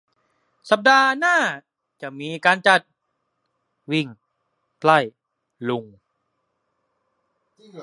สัปดาห์หน้าจะมีการจัด วิ่งไล่ลุง